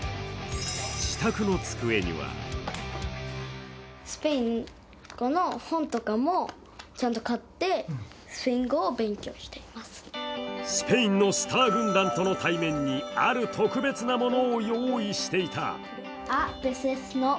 自宅の机にはスペインのスター軍団との対面に、ある特別なものを用意していた。